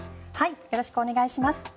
よろしくお願いします。